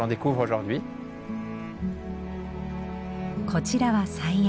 こちらは菜園。